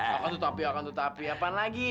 akan tetapi akan tetapi apa lagi